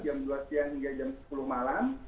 jam dua siang hingga jam sepuluh malam